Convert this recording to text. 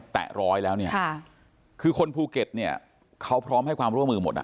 แตะร้อยแล้วเนี่ยคือคนภูเก็ตเนี่ยเขาพร้อมให้ความร่วมมือหมดอ่ะ